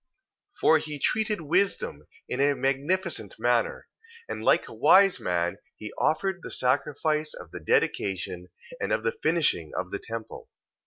2:9. For he treated wisdom in a magnificent manner: and like a wise man, he offered the sacrifice of the dedication, and of the finishing of the temple.